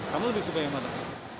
kamu lebih suka yang mana